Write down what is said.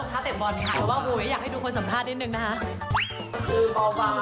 ขอถามภาษณ์นิดหนึ่งนะฮะ